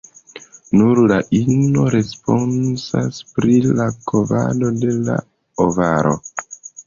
Nur la ino responsas pri la kovado de la ovaro.